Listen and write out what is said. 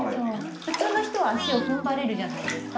普通の人は足を踏ん張れるじゃないですか。